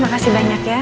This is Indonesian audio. makasih banyak ya